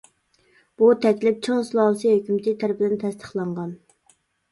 بۇ تەكلىپ چىڭ سۇلالىسى ھۆكۈمىتى تەرىپىدىن تەستىقلانغان.